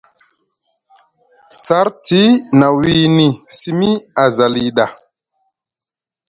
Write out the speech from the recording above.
Sarti na wini simi aza lii ɗa.